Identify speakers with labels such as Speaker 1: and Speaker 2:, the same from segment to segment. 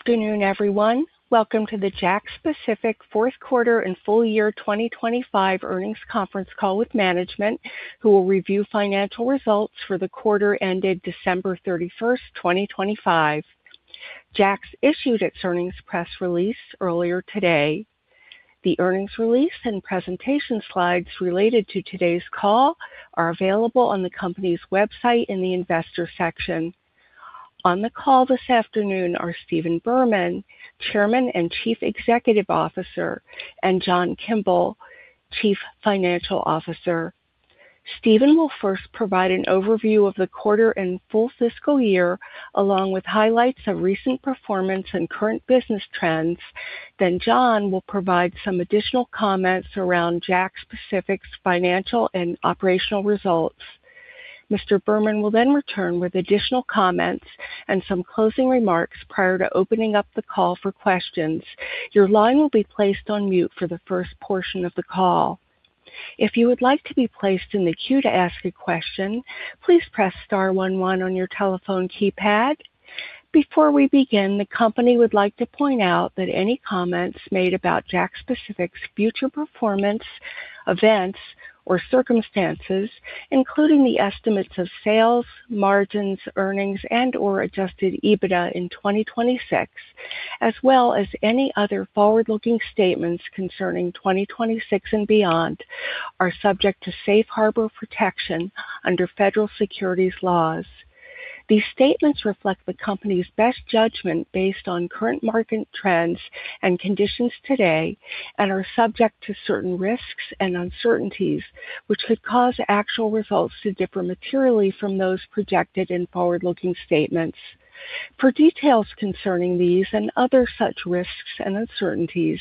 Speaker 1: Afternoon, everyone. Welcome to the JAKKS Pacific fourth quarter and full year 2025 earnings conference call with management, who will review financial results for the quarter ended December 31st, 2025. JAKKS issued its earnings press release earlier today. The earnings release and presentation slides related to today's call are available on the company's website in the Investor section. On the call this afternoon are Stephen Berman, Chairman and Chief Executive Officer, and John Kimble, Chief Financial Officer. Stephen will first provide an overview of the quarter and full fiscal year, along with highlights of recent performance and current business trends. Then John will provide some additional comments around JAKKS Pacific's financial and operational results. Mr. Berman will then return with additional comments and some closing remarks prior to opening up the call for questions. Your line will be placed on mute for the first portion of the call. If you would like to be placed in the queue to ask a question, please press star one one on your telephone keypad. Before we begin, the company would like to point out that any comments made about JAKKS Pacific's future performance, events, or circumstances, including the estimates of sales, margins, earnings, and/or adjusted EBITDA in 2026, as well as any other forward-looking statements concerning 2026 and beyond, are subject to Safe Harbor protection under federal securities laws. These statements reflect the company's best judgment based on current market trends and conditions today and are subject to certain risks and uncertainties, which could cause actual results to differ materially from those projected in forward-looking statements. For details concerning these and other such risks and uncertainties,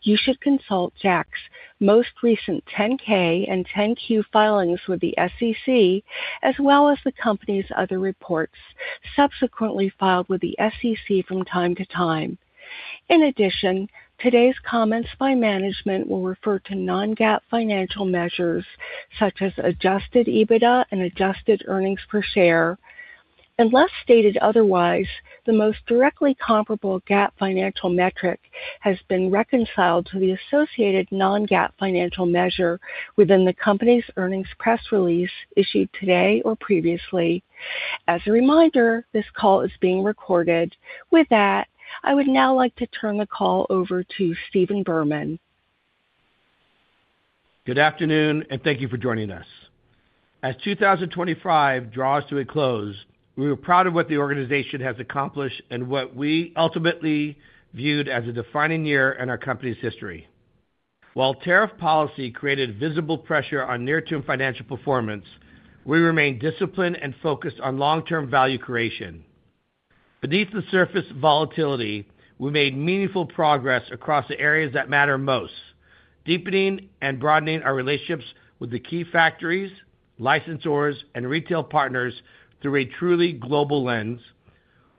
Speaker 1: you should consult JAKKS' most recent 10-K and 10-Q filings with the SEC, as well as the company's other reports subsequently filed with the SEC from time to time. In addition, today's comments by management will refer to non-GAAP financial measures such as Adjusted EBITDA and Adjusted Earnings Per Share. Unless stated otherwise, the most directly comparable GAAP financial metric has been reconciled to the associated non-GAAP financial measure within the company's earnings press release issued today or previously. As a reminder, this call is being recorded. With that, I would now like to turn the call over to Stephen Berman.
Speaker 2: Good afternoon, and thank you for joining us. As 2025 draws to a close, we are proud of what the organization has accomplished and what we ultimately viewed as a defining year in our company's history. While tariff policy created visible pressure on near-term financial performance, we remained disciplined and focused on long-term value creation. Beneath the surface volatility, we made meaningful progress across the areas that matter most, deepening and broadening our relationships with the key factories, licensors, and retail partners through a truly global lens,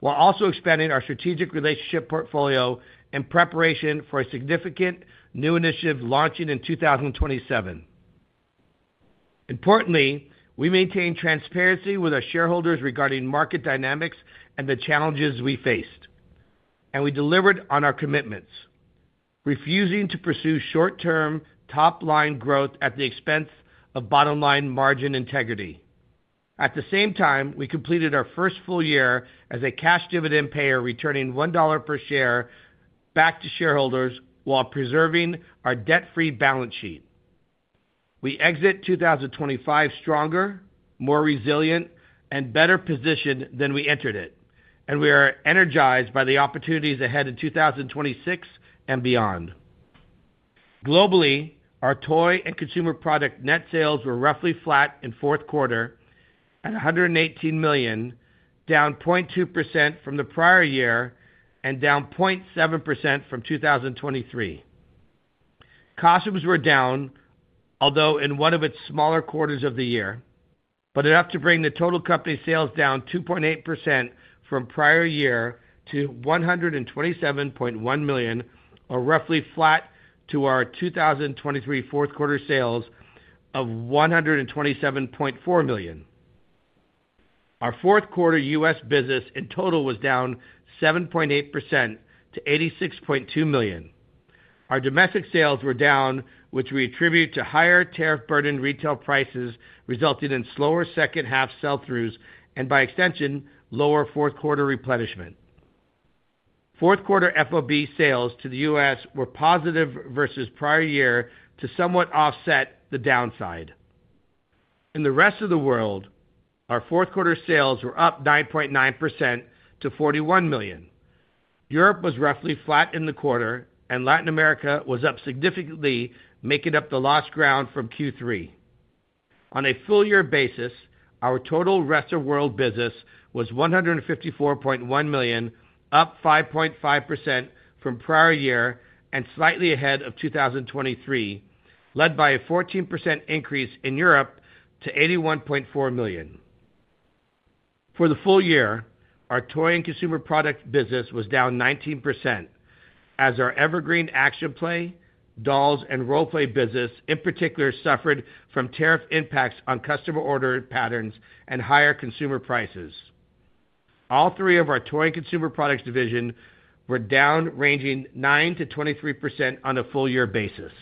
Speaker 2: while also expanding our strategic relationship portfolio in preparation for a significant new initiative launching in 2027. Importantly, we maintained transparency with our shareholders regarding market dynamics and the challenges we faced, and we delivered on our commitments, refusing to pursue short-term top-line growth at the expense of bottom-line margin integrity. At the same time, we completed our first full year as a cash dividend payer, returning $1 per share back to shareholders while preserving our debt-free balance sheet. We exit 2025 stronger, more resilient, and better positioned than we entered it, and we are energized by the opportunities ahead in 2026 and beyond. Globally, our toy and consumer product net sales were roughly flat in fourth quarter at $118 million, down 0.2% from the prior year and down 0.7% from 2023. Costumes were down, although in one of its smaller quarters of the year, but enough to bring the total company sales down 2.8% from prior year to $127.1 million, or roughly flat to our 2023 fourth quarter sales of $127.4 million. Our fourth quarter U.S. business in total was down 7.8% to $86.2 million. Our domestic sales were down, which we attribute to higher tariff burden. Retail prices resulted in slower second half sell-throughs and by extension, lower fourth quarter replenishment. Fourth quarter FOB sales to the U.S. were positive versus prior year to somewhat offset the downside. In the rest of the world, our fourth quarter sales were up 9.9% to $41 million. Europe was roughly flat in the quarter, and Latin America was up significantly, making up the lost ground from Q3. On a full year basis, our total rest of world business was $154.1 million, up 5.5% from prior year and slightly ahead of 2023, led by a 14% increase in Europe to $81.4 million. For the full year, our toy and consumer product business was down 19%, as our evergreen action play dolls and role play business, in particular, suffered from tariff impacts on customer order patterns and higher consumer prices. All three of our toy and consumer products division were down, ranging 9%-23% on a full year basis.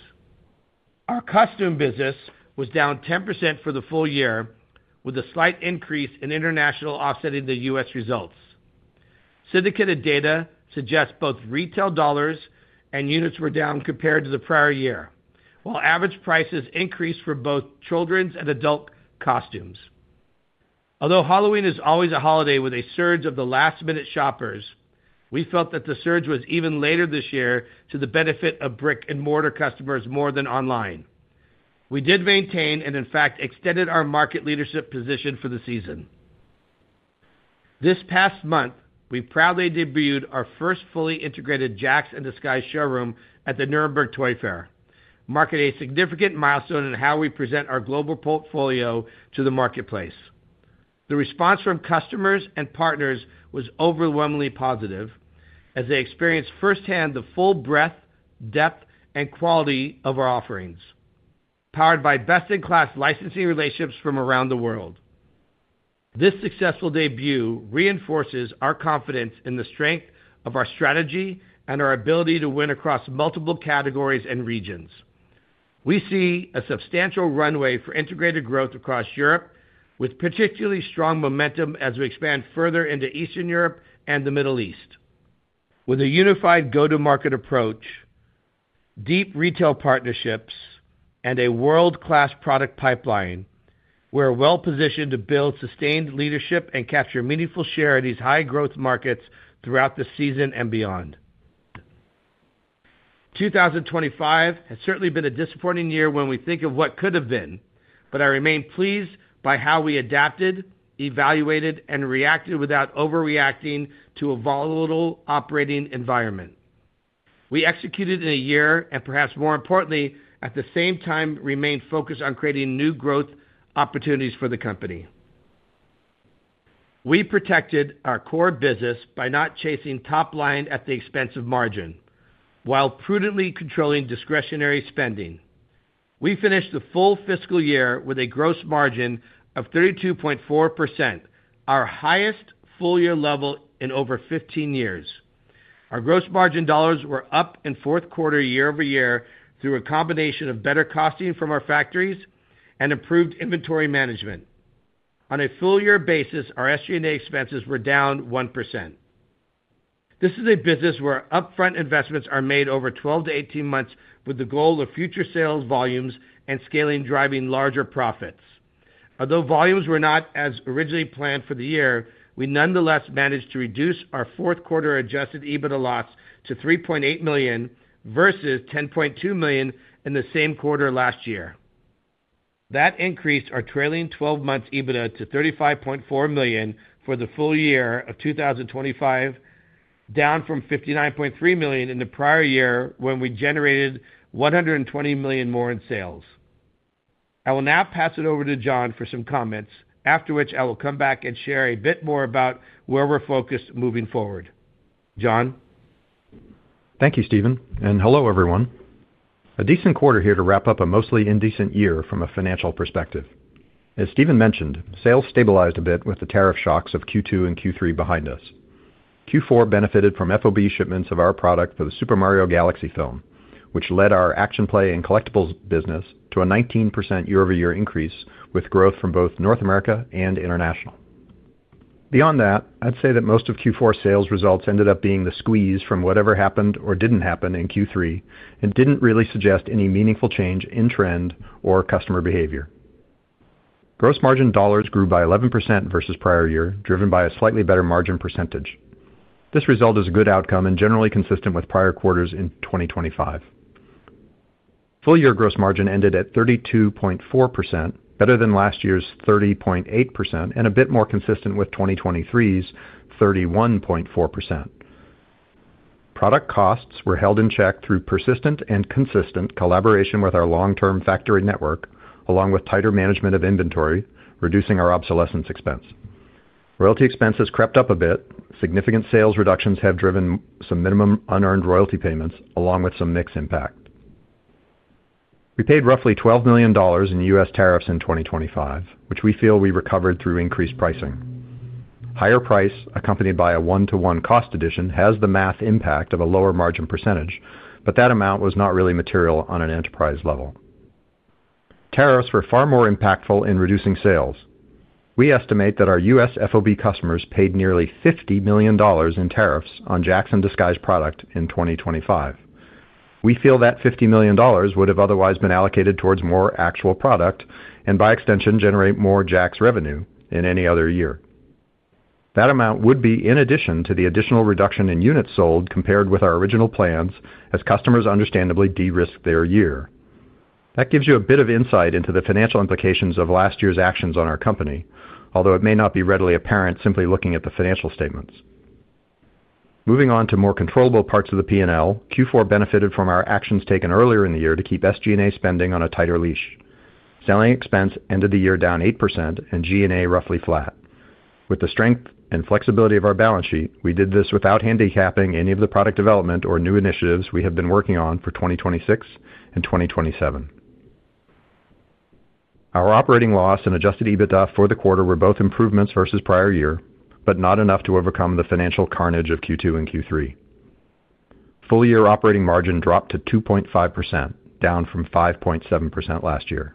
Speaker 2: Our costume business was down 10% for the full year, with a slight increase in international offsetting the U.S. results. Syndicated data suggests both retail dollars and units were down compared to the prior year, while average prices increased for both children's and adult costumes. Although Halloween is always a holiday with a surge of the last-minute shoppers, we felt that the surge was even later this year to the benefit of brick-and-mortar customers more than online. We did maintain, and in fact, extended our market leadership position for the season. This past month, we proudly debuted our first fully integrated JAKKS and Disguise showroom at the Nuremberg Toy Fair, marking a significant milestone in how we present our global portfolio to the marketplace. The response from customers and partners was overwhelmingly positive, as they experienced firsthand the full breadth, depth, and quality of our offerings, powered by best-in-class licensing relationships from around the world. This successful debut reinforces our confidence in the strength of our strategy and our ability to win across multiple categories and regions. We see a substantial runway for integrated growth across Europe, with particularly strong momentum as we expand further into Eastern Europe and the Middle East. With a unified go-to-market approach, deep retail partnerships, and a world-class product pipeline, we're well-positioned to build sustained leadership and capture meaningful share of these high-growth markets throughout the season and beyond. 2025 has certainly been a disappointing year when we think of what could have been, but I remain pleased by how we adapted, evaluated, and reacted without overreacting to a volatile operating environment. We executed in a year, and perhaps more importantly, at the same time, remained focused on creating new growth opportunities for the company. We protected our core business by not chasing top line at the expense of margin, while prudently controlling discretionary spending. We finished the full fiscal year with a gross margin of 32.4%, our highest full-year level in over 15 years. Our gross margin dollars were up in fourth quarter, year-over-year, through a combination of better costing from our factories and improved inventory management. On a full year basis, our SG&A expenses were down 1%. This is a business where upfront investments are made over 12 to 18 months with the goal of future sales volumes and scaling, driving larger profits. Although volumes were not as originally planned for the year, we nonetheless managed to reduce our fourth quarter adjusted EBITDA loss to $3.8 million, versus $10.2 million in the same quarter last year. That increased our trailing 12-month EBITDA to $35.4 million for the full year of 2025, down from $59.3 million in the prior year, when we generated $120 million more in sales. I will now pass it over to John for some comments, after which I will come back and share a bit more about where we're focused moving forward. John?
Speaker 3: Thank you, Stephen, and hello, everyone. A decent quarter here to wrap up a mostly indecent year from a financial perspective. As Stephen mentioned, sales stabilized a bit with the tariff shocks of Q2 and Q3 behind us. Q4 benefited from FOB shipments of our product for the Super Mario Galaxy film, which led our action play and collectibles business to a 19% year-over-year increase, with growth from both North America and international. Beyond that, I'd say that most of Q4 sales results ended up being the squeeze from whatever happened or didn't happen in Q3 and didn't really suggest any meaningful change in trend or customer behavior. Gross margin dollars grew by 11% versus prior year, driven by a slightly better margin percentage. This result is a good outcome and generally consistent with prior quarters in 2025. Full year gross margin ended at 32.4%, better than last year's 30.8% and a bit more consistent with 2023's 31.4%. Product costs were held in check through persistent and consistent collaboration with our long-term factory network, along with tighter management of inventory, reducing our obsolescence expense. Royalty expenses crept up a bit. Significant sales reductions have driven some minimum unearned royalty payments, along with some mix impact. We paid roughly $12 million in U.S. tariffs in 2025, which we feel we recovered through increased pricing. Higher price, accompanied by a 1:1 cost addition, has the math impact of a lower margin percentage, but that amount was not really material on an enterprise level. Tariffs were far more impactful in reducing sales. We estimate that our U.S. FOB customers paid nearly $50 million in tariffs on JAKKS and Disguise product in 2025. We feel that $50 million would have otherwise been allocated towards more actual product and by extension, generate more JAKKS revenue in any other year. That amount would be in addition to the additional reduction in units sold compared with our original plans, as customers understandably de-risk their year. That gives you a bit of insight into the financial implications of last year's actions on our company, although it may not be readily apparent simply looking at the financial statements. Moving on to more controllable parts of the P&L, Q4 benefited from our actions taken earlier in the year to keep SG&A spending on a tighter leash. Selling expense ended the year down 8% and G&A roughly flat. With the strength and flexibility of our balance sheet, we did this without handicapping any of the product development or new initiatives we have been working on for 2026 and 2027. Our operating loss and adjusted EBITDA for the quarter were both improvements versus prior year, but not enough to overcome the financial carnage of Q2 and Q3. Full year operating margin dropped to 2.5%, down from 5.7% last year.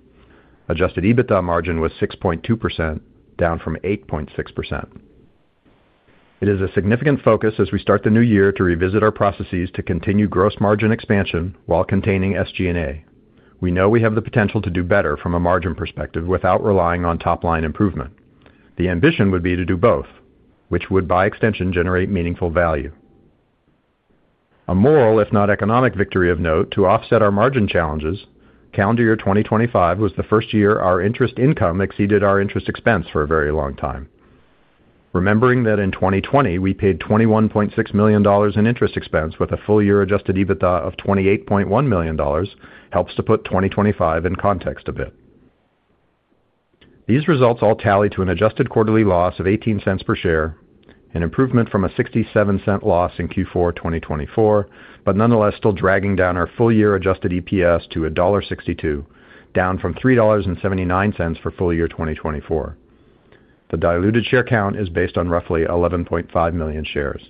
Speaker 3: Adjusted EBITDA margin was 6.2%, down from 8.6%. It is a significant focus as we start the new year to revisit our processes to continue gross margin expansion while containing SG&A. We know we have the potential to do better from a margin perspective without relying on top line improvement. The ambition would be to do both, which would, by extension, generate meaningful value. A moral, if not economic, victory of note, to offset our margin challenges, calendar year 2025 was the first year our interest income exceeded our interest expense for a very long time. Remembering that in 2020, we paid $21.6 million in interest expense with a full year adjusted EBITDA of $28.1 million, helps to put 2025 in context a bit. These results all tally to an adjusted quarterly loss of $0.18 per share, an improvement from a $0.67 loss in Q4 2024, but nonetheless, still dragging down our full year adjusted EPS to $1.62, down from $3.79 for full year 2024. The diluted share count is based on roughly 11.5 million shares.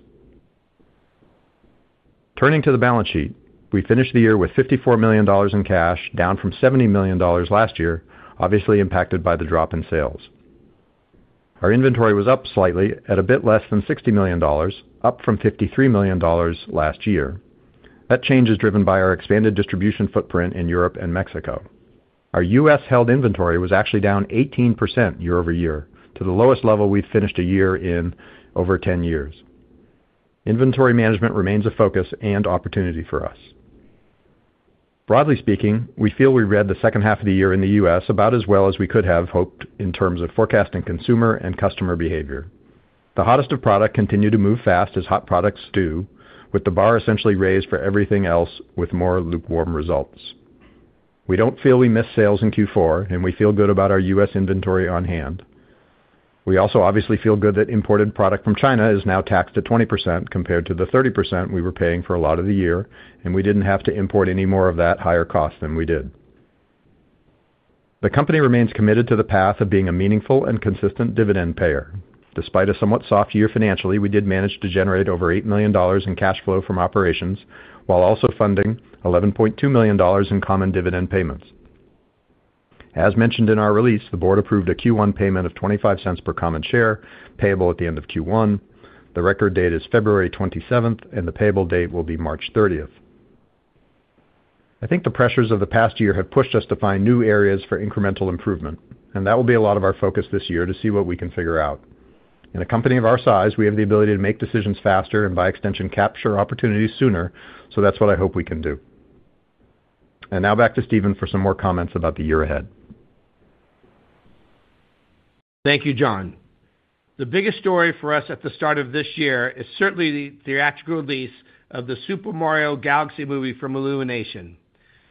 Speaker 3: Turning to the balance sheet, we finished the year with $54 million in cash, down from $70 million last year, obviously impacted by the drop in sales. Our inventory was up slightly at a bit less than $60 million, up from $53 million last year. That change is driven by our expanded distribution footprint in Europe and Mexico. Our U.S.-held inventory was actually down 18% year-over-year, to the lowest level we've finished a year in over 10 years. Inventory management remains a focus and opportunity for us. Broadly speaking, we feel we read the second half of the year in the U.S. about as well as we could have hoped in terms of forecasting consumer and customer behavior. The hottest products continued to move fast, as hot products do, with the bar essentially raised for everything else with more lukewarm results. We don't feel we missed sales in Q4, and we feel good about our U.S. inventory on hand. We also obviously feel good that imported product from China is now taxed at 20%, compared to the 30% we were paying for a lot of the year, and we didn't have to import any more of that higher cost than we did. The company remains committed to the path of being a meaningful and consistent dividend payer. Despite a somewhat soft year financially, we did manage to generate over $8 million in cash flow from operations, while also funding $11.2 million in common dividend payments. As mentioned in our release, the board approved a Q1 payment of $0.25 per common share, payable at the end of Q1. The record date is February 27th, and the payable date will be March 30th. I think the pressures of the past year have pushed us to find new areas for incremental improvement, and that will be a lot of our focus this year to see what we can figure out. In a company of our size, we have the ability to make decisions faster and by extension, capture opportunities sooner, so that's what I hope we can do. Now back to Stephen for some more comments about the year ahead.
Speaker 2: Thank you, John. The biggest story for us at the start of this year is certainly the theatrical release of the Super Mario Galaxy Movie from Illumination.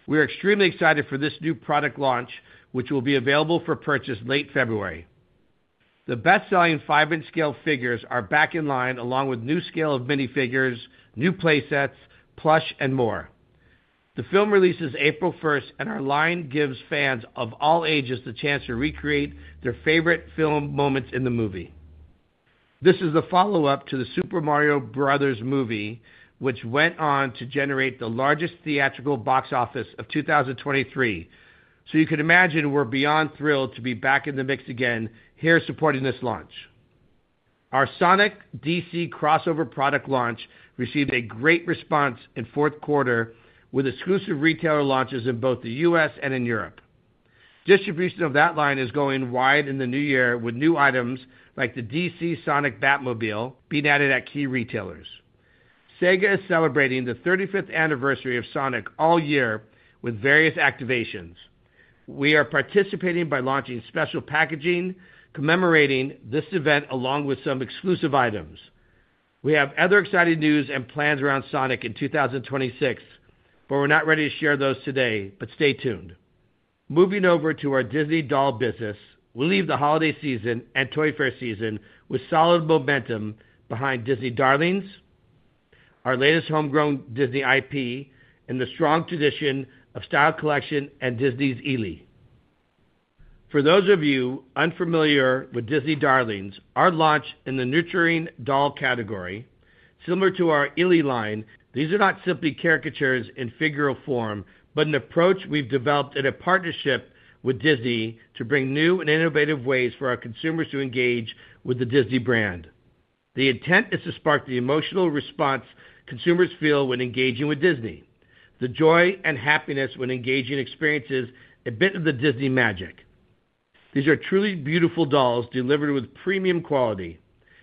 Speaker 2: We are extremely excited for this new product launch, which will be available for purchase late February. The best-selling five-inch scale figures are back in line, along with new scale of minifigures, new play sets, plush and more. The film releases April 1st, and our line gives fans of all ages the chance to recreate their favorite film moments in the movie. This is a follow-up to the Super Mario Bros. Movie, which went on to generate the largest theatrical box office of 2023. So you can imagine we're beyond thrilled to be back in the mix again here supporting this launch. Our Sonic DC crossover product launch received a great response in fourth quarter, with exclusive retailer launches in both the U.S. and in Europe. Distribution of that line is going wide in the new year, with new items like the DC Sonic Batmobile being added at key retailers. Sega is celebrating the 35th anniversary of Sonic all year with various activations. We are participating by launching special packaging commemorating this event, along with some exclusive items. We have other exciting news and plans around Sonic in 2026, but we're not ready to share those today, but stay tuned. Moving over to our Disney doll business, we'll leave the holiday season and toy fair season with solid momentum behind Disney Darlings, our latest homegrown Disney IP, and the strong tradition of Style Collection and Disney's Ily. For those of you unfamiliar with Disney Darlings, our launch in the nurturing doll category, similar to our Ily line, these are not simply caricatures in figural form, but an approach we've developed in a partnership with Disney to bring new and innovative ways for our consumers to engage with the Disney brand. The intent is to spark the emotional response consumers feel when engaging with Disney, the joy and happiness when engaging experiences, a bit of the Disney magic. These are truly beautiful dolls delivered with premium quality,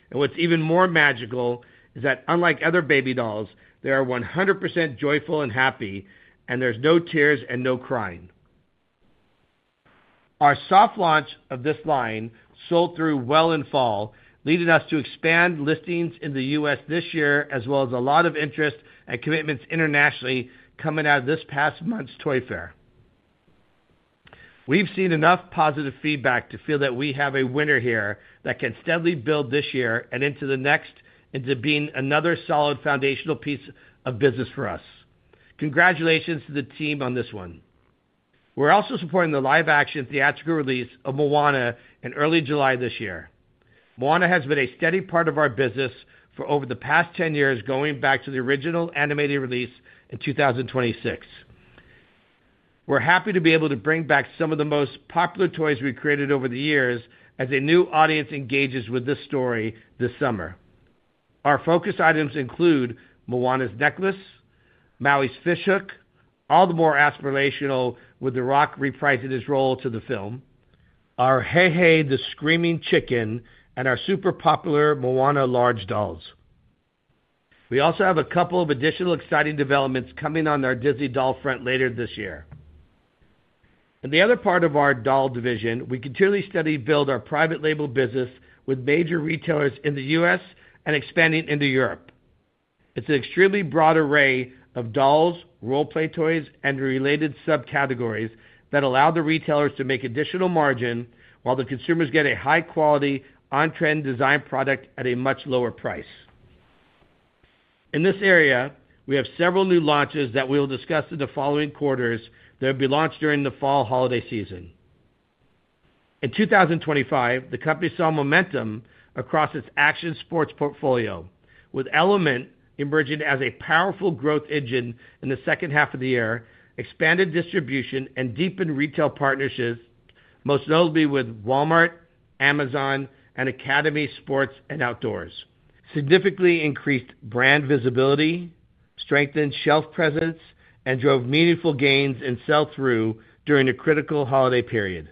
Speaker 2: and what's even more magical is that unlike other baby dolls, they are 100% joyful and happy, and there's no tears and no crying. Our soft launch of this line sold through well in fall, leading us to expand listings in the U.S. this year, as well as a lot of interest and commitments internationally coming out of this past month's toy fair. We've seen enough positive feedback to feel that we have a winner here that can steadily build this year and into the next, into being another solid foundational piece of business for us. Congratulations to the team on this one. We're also supporting the live-action theatrical release of Moana in early July this year. Moana has been a steady part of our business for over the past 10 years, going back to the original animated release in 2026. We're happy to be able to bring back some of the most popular toys we've created over the years as a new audience engages with this story this summer. Our focus items include Moana's Necklace, Maui's Fishhook, all the more aspirational, with the Rock reprising his role in the film, our Heihei, the screaming chicken, and our super popular Moana large dolls. We also have a couple of additional exciting developments coming on our Disney doll front later this year. In the other part of our doll division, we continually steadily build our private label business with major retailers in the U.S. and expanding into Europe. It's an extremely broad array of dolls, role-play toys, and related subcategories that allow the retailers to make additional margin, while the consumers get a high-quality, on-trend design product at a much lower price. In this area, we have several new launches that we will discuss in the following quarters that will be launched during the fall holiday season. In 2025, the company saw momentum across its action sports portfolio, with Element emerging as a powerful growth engine in the second half of the year, expanded distribution and deepened retail partnerships, most notably with Walmart, Amazon, and Academy Sports and Outdoors. Significantly increased brand visibility, strengthened shelf presence, and drove meaningful gains in sell-through during a critical holiday period.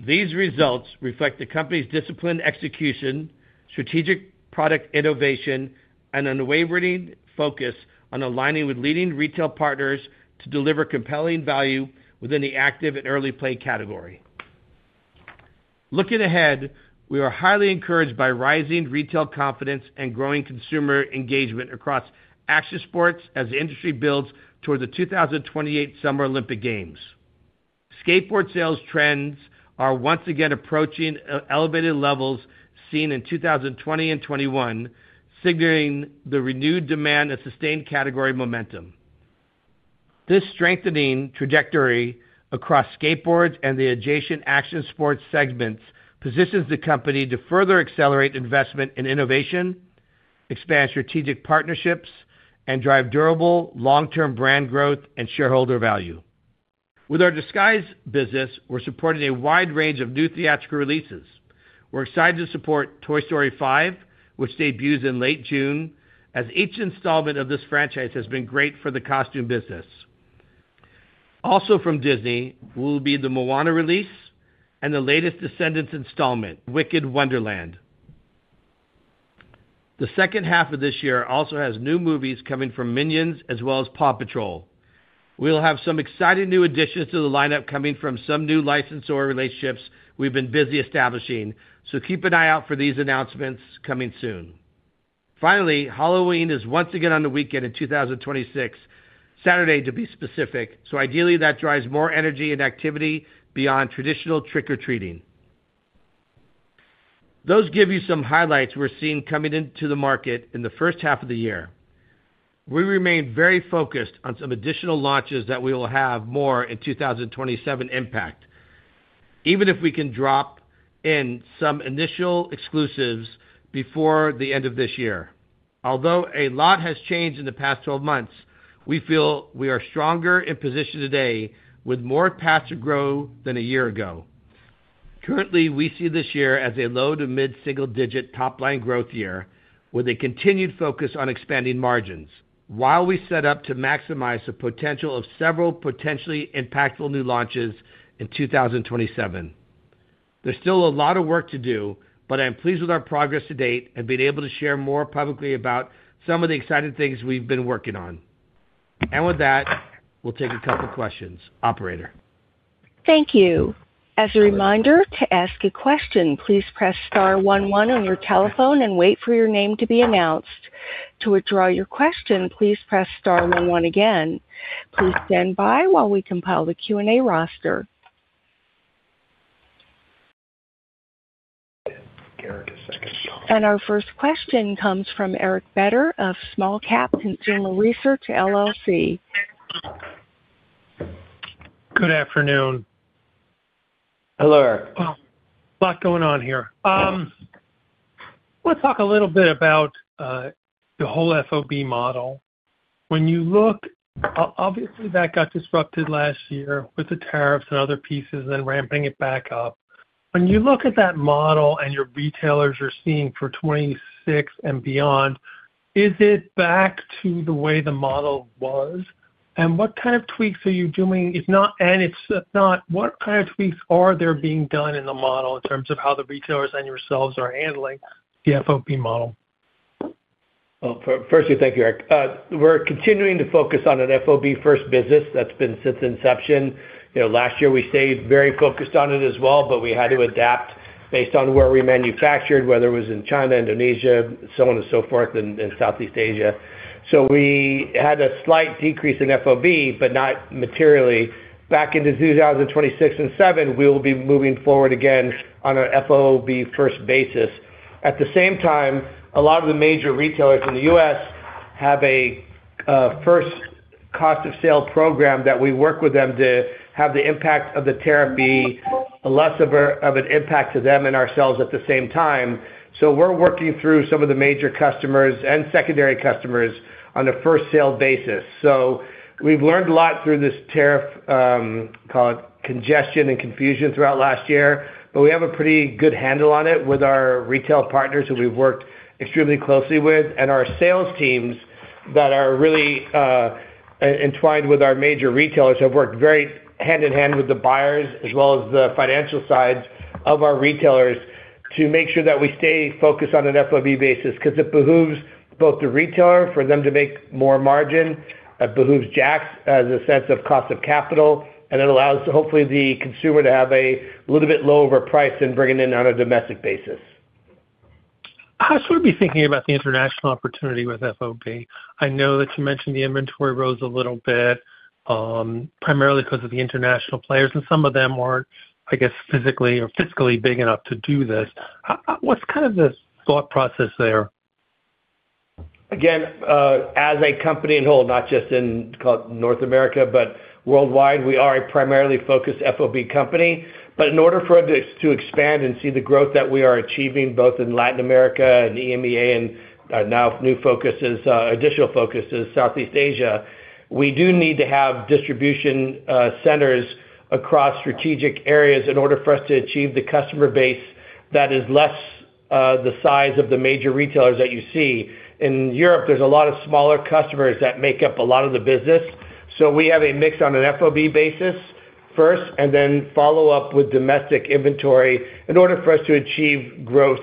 Speaker 2: These results reflect the company's disciplined execution, strategic product innovation, and an unwavering focus on aligning with leading retail partners to deliver compelling value within the active and early play category. Looking ahead, we are highly encouraged by rising retail confidence and growing consumer engagement across action sports as the industry builds toward the 2028 Summer Olympic Games. Skateboard sales trends are once again approaching elevated levels seen in 2020 and 2021, signaling the renewed demand and sustained category momentum. This strengthening trajectory across skateboards and the adjacent action sports segments positions the company to further accelerate investment in innovation, expand strategic partnerships, and drive durable, long-term brand growth and shareholder value. With our Disguise business, we're supporting a wide range of new theatrical releases. We're excited to support Toy Story 5, which debuts in late June, as each installment of this franchise has been great for the costume business. Also from Disney will be the Moana release and the latest Descendants installment, Descendants: Wicked Wonderland. The second half of this year also has new movies coming from Minions as well as Paw Patrol. We'll have some exciting new additions to the lineup coming from some new licensor relationships we've been busy establishing, so keep an eye out for these announcements coming soon. Finally, Halloween is once again on the weekend in 2026, Saturday, to be specific, so ideally, that drives more energy and activity beyond traditional trick-or-treating. Those give you some highlights we're seeing coming into the market in the first half of the year. We remain very focused on some additional launches that we will have more in 2027 impact, even if we can drop in some initial exclusives before the end of this year. Although a lot has changed in the past 12 months, we feel we are stronger in position today with more paths to grow than a year ago. Currently, we see this year as a low-to-mid-single-digit top-line growth year, with a continued focus on expanding margins, while we set up to maximize the potential of several potentially impactful new launches in 2027. There's still a lot of work to do, but I'm pleased with our progress to date and being able to share more publicly about some of the exciting things we've been working on. With that, we'll take a couple questions. Operator?
Speaker 1: Thank you. As a reminder, to ask a question, please press star one one on your telephone and wait for your name to be announced. To withdraw your question, please press star one one again. Please stand by while we compile the Q&A roster. Our first question comes from Eric Beder of Small Cap Consumer Research LLC.
Speaker 4: Good afternoon.
Speaker 2: Hello, Eric.
Speaker 4: Wow! A lot going on here. Let's talk a little bit about the whole FOB model. When you look, obviously, that got disrupted last year with the tariffs and other pieces and ramping it back up. When you look at that model and your retailers are seeing for 2026 and beyond, is it back to the way the model was? And what kind of tweaks are you doing? If not, and it's not, what kind of tweaks are there being done in the model in terms of how the retailers and yourselves are handling the FOB model?
Speaker 2: Well, first, thank you, Eric. We're continuing to focus on an FOB first business that's been since inception. You know, last year, we stayed very focused on it as well, but we had to adapt based on where we manufactured, whether it was in China, Indonesia, so on and so forth, in Southeast Asia. So we had a slight decrease in FOB, but not materially. Back in 2026 and 2027, we will be moving forward again on an FOB first basis. At the same time, a lot of the major retailers in the U.S. have a first cost of sale program that we work with them to have the impact of the tariff be less of an impact to them and ourselves at the same time. So we're working through some of the major customers and secondary customers on a first sale basis. We've learned a lot through this tariff, call it congestion and confusion throughout last year, but we have a pretty good handle on it with our retail partners, who we've worked extremely closely with. Our sales teams that are really, entwined with our major retailers, have worked very hand-in-hand with the buyers as well as the financial sides of our retailers, to make sure that we stay focused on an FOB basis. 'Cause it behooves both the retailer, for them to make more margin, it behooves JAKKS as a sense of cost of capital, and it allows, hopefully, the consumer to have a little bit lower price than bringing in on a domestic basis.
Speaker 4: How should we be thinking about the international opportunity with FOB? I know that you mentioned the inventory rose a little bit, primarily because of the international players, and some of them aren't, I guess, physically or fiscally big enough to do this. What's kind of the thought process there?
Speaker 2: Again, as a company in whole, not just in, call it, North America, but worldwide, we are a primarily focused FOB company. But in order for us to expand and see the growth that we are achieving, both in Latin America and EMEA, and now new focuses, additional focus is Southeast Asia, we do need to have distribution centers across strategic areas in order for us to achieve the customer base that is less, the size of the major retailers that you see. In Europe, there's a lot of smaller customers that make up a lot of the business. So we have a mix on an FOB basis first, and then follow up with domestic inventory in order for us to achieve growth,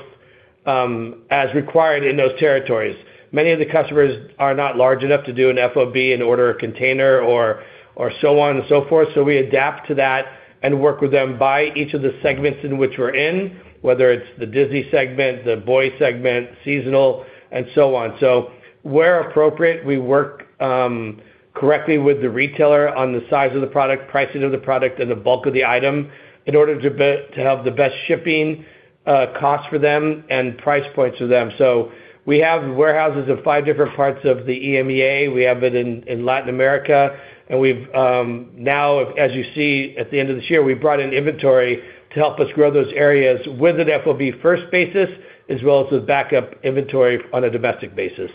Speaker 2: as required in those territories. Many of the customers are not large enough to do an FOB and order a container or, or so on and so forth, so we adapt to that and work with them by each of the segments in which we're in, whether it's the Disney segment, the boy segment, seasonal, and so on. So where appropriate, we work correctly with the retailer on the size of the product, pricing of the product, and the bulk of the item in order to have the best shipping cost for them and price points for them. So we have warehouses in five different parts of the EMEA. We have it in Latin America, and we've now, as you see, at the end of this year, we've brought in inventory to help us grow those areas with an FOB first basis, as well as with backup inventory on a domestic basis.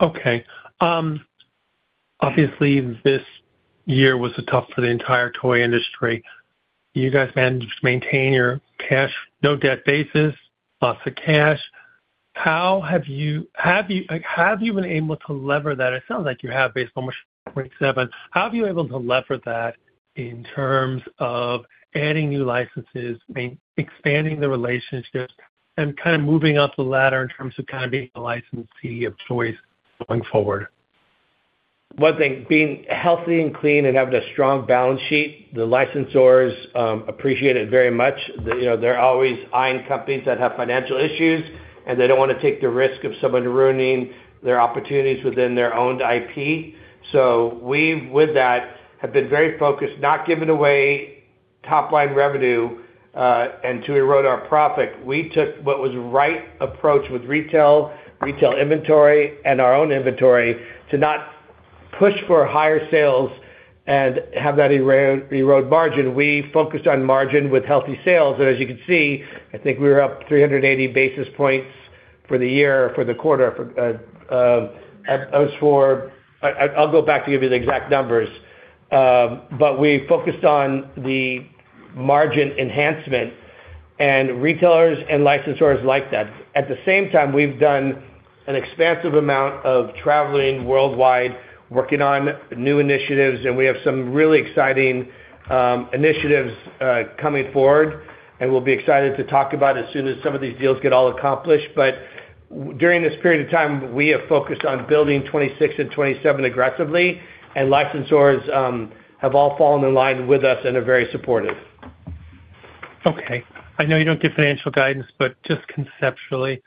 Speaker 4: Okay. Obviously, this year was tough for the entire toy industry. You guys managed to maintain your cash, no debt basis, lots of cash. How have you, like, been able to lever that? It sounds like you have based on what, 0.7%. How have you able to lever that in terms of adding new licenses, expanding the relationships, and kind of moving up the ladder in terms of kind of being the licensee of choice going forward?
Speaker 2: One thing, being healthy and clean and having a strong balance sheet, the licensors appreciate it very much. You know, they're always eyeing companies that have financial issues, and they don't want to take the risk of someone ruining their opportunities within their owned IP. So we, with that, have been very focused, not giving away top-line revenue, and to erode our profit. We took what was right approach with retail, retail inventory, and our own inventory, to not push for higher sales and have that erode margin. We focused on margin with healthy sales, and as you can see, I think we were up 380 basis points for the year, for the quarter, as for... I'll go back to give you the exact numbers. But we focused on the margin enhancement, and retailers and licensors like that. At the same time, we've done an expansive amount of traveling worldwide, working on new initiatives, and we have some really exciting initiatives coming forward, and we'll be excited to talk about as soon as some of these deals get all accomplished. But during this period of time, we have focused on building 2026 and 2027 aggressively, and licensors have all fallen in line with us and are very supportive.
Speaker 4: Okay. I know you don't do financial guidance, but just conceptually,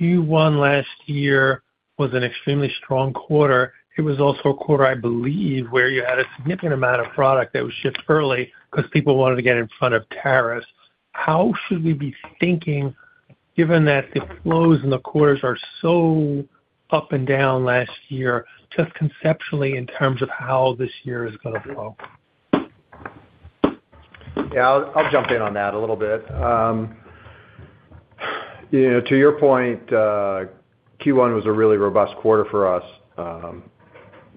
Speaker 4: Q1 last year was an extremely strong quarter. It was also a quarter, I believe, where you had a significant amount of product that was shipped early because people wanted to get in front of tariffs. How should we be thinking, given that the flows in the quarters are so up and down last year, just conceptually, in terms of how this year is going to flow?
Speaker 3: Yeah, I'll jump in on that a little bit. You know, to your point, Q1 was a really robust quarter for us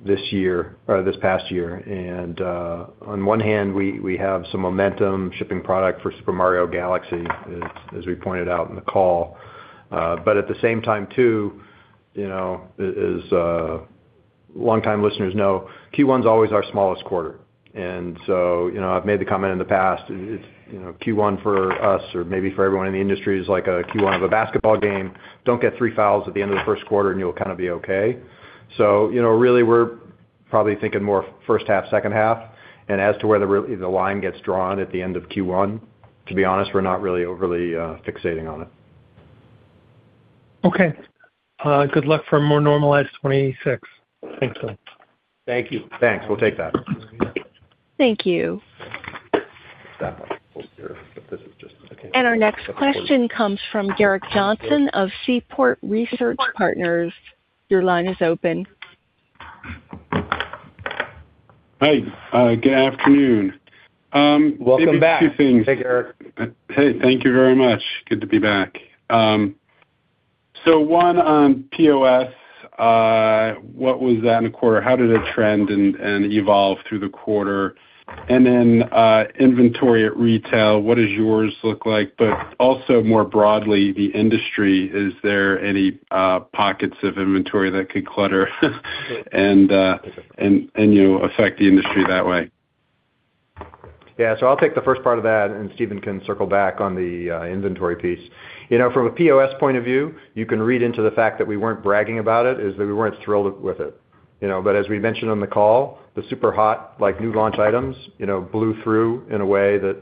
Speaker 3: this year, or this past year. And on one hand, we have some momentum shipping product for Super Mario Galaxy, as we pointed out in the call. But at the same time, too, you know, long time listeners know, Q1 is always our smallest quarter. And so, you know, I've made the comment in the past, you know, Q1 for us, or maybe for everyone in the industry, is like a Q1 of a basketball game. Don't get three fouls at the end of the first quarter, and you'll kind of be okay. So, you know, really, we're probably thinking more first half, second half, and as to where the line gets drawn at the end of Q1, to be honest, we're not really overly, fixating on it.
Speaker 4: Okay. Good luck for a more normalized 26. Thanks.
Speaker 3: Thank you.
Speaker 2: Thanks. We'll take that.
Speaker 1: Thank you.
Speaker 3: Stop here, but this is just-
Speaker 1: Our next question comes from Gerrick Johnson of Seaport Research Partners. Your line is open.
Speaker 5: Hi, good afternoon.
Speaker 2: Welcome back.
Speaker 5: Maybe two things.
Speaker 2: Hey, Gerrick.
Speaker 5: Hey, thank you very much. Good to be back. So one on POS, what was that in a quarter? How did it trend and evolve through the quarter? And then, inventory at retail, what does yours look like? But also, more broadly, the industry, is there any pockets of inventory that could clutter and, you know, affect the industry that way?
Speaker 3: Yeah. So I'll take the first part of that, and Stephen can circle back on the inventory piece. You know, from a POS point of view, you can read into the fact that we weren't bragging about it, is that we weren't thrilled with it, you know? But as we mentioned on the call, the super hot, like, new launch items, you know, blew through in a way that,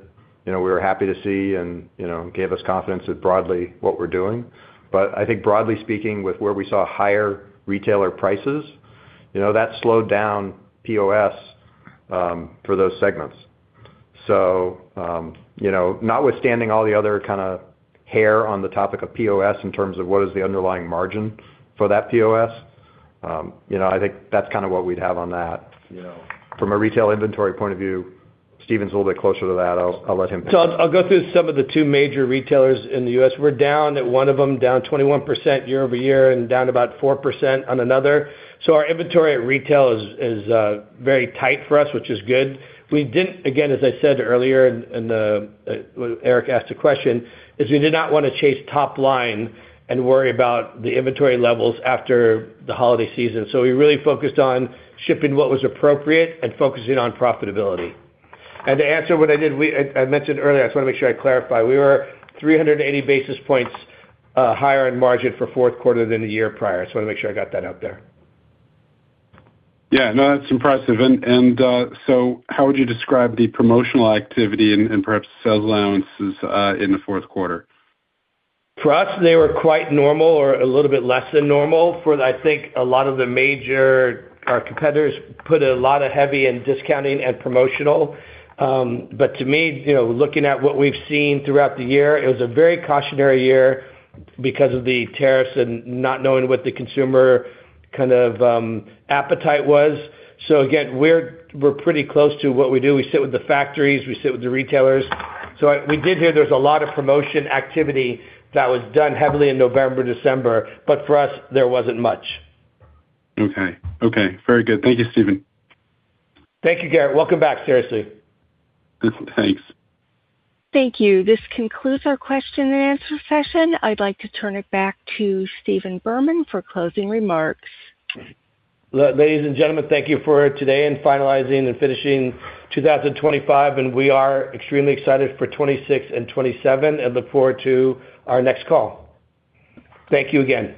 Speaker 3: you know, we were happy to see and, you know, gave us confidence in broadly what we're doing. But I think broadly speaking, with where we saw higher retailer prices, you know, that slowed down POS for those segments. So, you know, notwithstanding all the other kind of hair on the topic of POS in terms of what is the underlying margin for that POS, you know, I think that's kind of what we'd have on that. You know, from a retail inventory point of view, Stephen's a little bit closer to that. I'll let him.
Speaker 2: So I'll go through some of the two major retailers in the U.S.. We're down at one of them, down 21% year-over-year and down about 4% on another. So our inventory at retail is very tight for us, which is good. We didn't, again, as I said earlier when Eric asked a question, we did not want to chase top line and worry about the inventory levels after the holiday season. So we really focused on shipping what was appropriate and focusing on profitability. And to answer what I did, we I mentioned earlier, I just wanna make sure I clarify. We were 380 basis points higher in margin for fourth quarter than the year prior. So I wanna make sure I got that out there.
Speaker 5: Yeah. No, that's impressive. And so how would you describe the promotional activity and perhaps sales allowances in the fourth quarter?
Speaker 2: For us, they were quite normal or a little bit less than normal. For, I think, a lot of the major, our competitors put a lot of heavy in discounting and promotional. But to me, you know, looking at what we've seen throughout the year, it was a very cautionary year because of the tariffs and not knowing what the consumer kind of appetite was. So again, we're pretty close to what we do. We sit with the factories, we sit with the retailers. So we did hear there was a lot of promotion activity that was done heavily in November, December, but for us, there wasn't much.
Speaker 5: Okay. Okay, very good. Thank you, Stephen.
Speaker 2: Thank you, Gerrick. Welcome back, seriously.
Speaker 5: Thanks.
Speaker 1: Thank you. This concludes our question and answer session. I'd like to turn it back to Stephen Berman for closing remarks.
Speaker 2: Ladies and gentlemen, thank you for today and finalizing and finishing 2025, and we are extremely excited for 2026 and 2027 and look forward to our next call. Thank you again.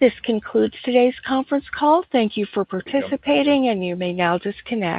Speaker 1: This concludes today's conference call. Thank you for participating, and you may now disconnect.